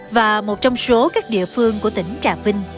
và một trong số các địa phương của tỉnh trà vinh